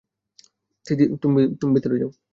তুমি ভেতরে যাও।